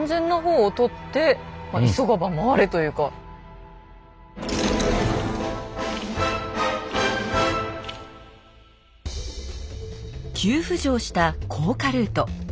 急浮上した甲賀ルート。